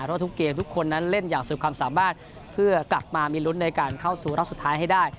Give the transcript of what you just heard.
เพราะทุกเกมทุกคนนั้นเล่นอย่างสุดความสามารถเพื่อกลับมามีลุ้นในการเข้าสู่รอบสุดท้ายให้ได้